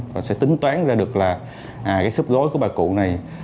và sẽ tính toán ra được là cái khớp gối của bà cụ này